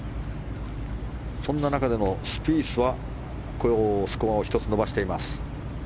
そんな中でのスピースはスコアを１つ伸ばしています。